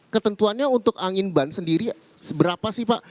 ketentuannya untuk angin ban sendiri seberapa sih pak